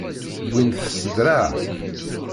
Wwin-t s ddreε.